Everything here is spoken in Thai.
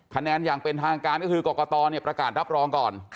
อย่างเป็นทางการก็คือกรกตประกาศรับรองก่อน